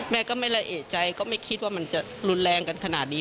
แม่ก็ไม่ละเอกใจก็ไม่คิดว่ามันจะรุนแรงกันขนาดนี้